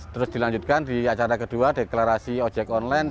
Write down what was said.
terus dilanjutkan di acara kedua deklarasi ojek online